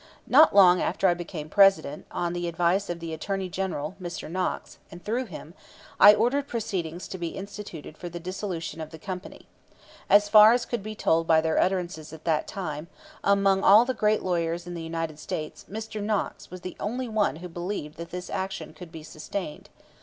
Not long after I became President, on the advice of the Attorney General, Mr. Knox, and through him, I ordered proceedings to be instituted for the dissolution of the company. As far as could be told by their utterances at the time, among all the great lawyers in the United States Mr. Knox was the only one who believed that this action could be sustained.